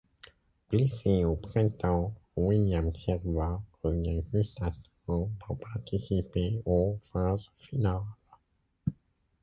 Blessé au printemps, William Servat revient juste à temps pour participer aux phases finales.